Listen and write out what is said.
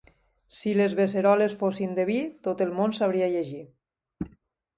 Si les beceroles fossin de vi tot el món sabria llegir.